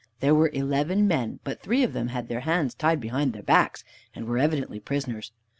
There were eleven men, but three of them had their hands tied behind their backs, and were evidently prisoners.